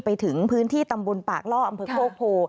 ไปถึงพื้นที่ตำบลปากล่ออำเภอโคกโพ